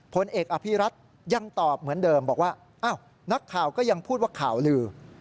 ผลเอกอภิรัตยังตอบเหมือนเดิมบอกว่าอ้าวนักข่าวก็ยังพูดว่าข่าวลือ